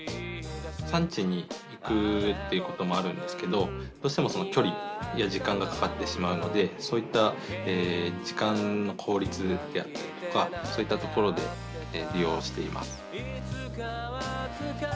産地に行くっていうこともあるんですけどどうしてもきょりや時間がかかってしまうのでそういった時間の効率であったりとかそういったところで利用しています。